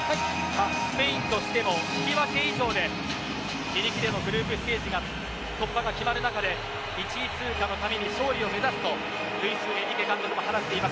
スペインとしても引き分け以上で自力でのグループステージが突破が決まる中で１位通過のために勝利を目指すとルイス・エンリケ監督は話しています。